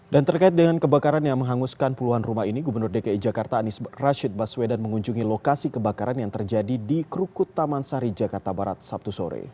dan terkait dengan kebakaran yang menghanguskan puluhan rumah ini gubernur dki jakarta anies rashid baswedan mengunjungi lokasi kebakaran yang terjadi di krukut taman sari jakarta barat sabtu sore